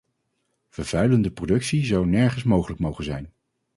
Vervuilende productie zou nergens mogelijk mogen zijn.